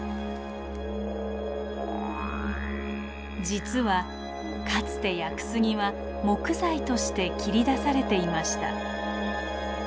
実はかつて屋久杉は木材として切り出されていました。